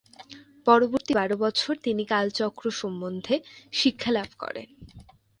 পরবর্তী বারো বছর তিনি কালচক্র সম্বন্ধে শিক্ষালাভ করেন।